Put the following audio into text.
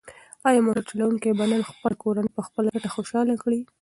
ایا موټر چلونکی به نن خپله کورنۍ په خپله ګټه خوشحاله کړي؟